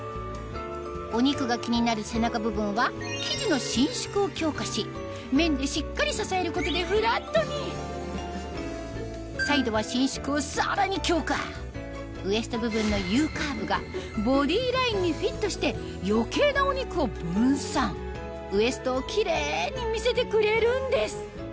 お肉が気になる背中部分は生地の伸縮を強化しサイドは伸縮をさらに強化ウエスト部分のＵカーブがボディラインにフィットして余計なお肉を分散ウエストをキレイに見せてくれるんです